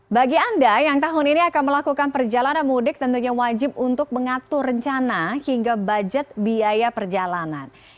bagi anda yang tahun ini akan melakukan perjalanan mudik tentunya wajib untuk mengatur rencana hingga budget biaya perjalanan